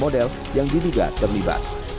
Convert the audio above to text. seratus model yang diluga terlibat